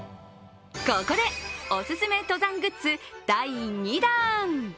ここで、オススメ登山グッズ第２弾。